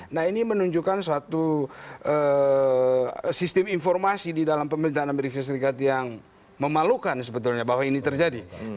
nah ini menunjukkan suatu sistem informasi di dalam pemerintahan amerika serikat yang memalukan sebetulnya bahwa ini terjadi